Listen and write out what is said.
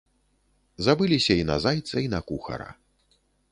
Забыліся і на зайца і на кухара.